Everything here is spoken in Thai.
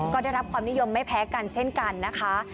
ก็ได้รับความนิยมไม่แพ้กันเช่นกันนะคะ